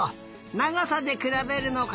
ながさでくらべるのか。